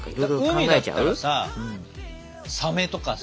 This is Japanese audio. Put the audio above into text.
海だったらさサメとかさ。